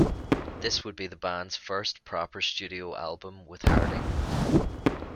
This would be the band's first proper studio album with Harding.